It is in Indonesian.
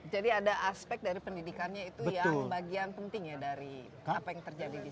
jadi ada aspek dari pendidikannya itu yang bagian penting ya dari apa yang terjadi disini